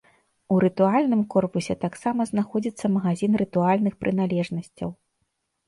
У рытуальным корпусе таксама знаходзіцца магазін рытуальных прыналежнасцяў.